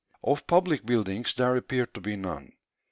Of public buildings there appeared to be none.